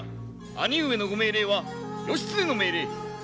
兄上のご命令は義経の命令。